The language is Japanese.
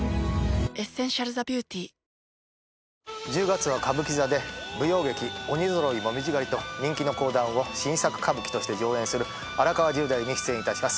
１０月は歌舞伎座で舞踊劇『鬼揃紅葉狩』と人気の講談を新作歌舞伎として上演する『荒川十太夫』に出演いたします。